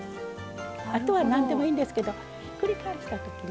あとは何でもいいんですけどひっくり返した時にね。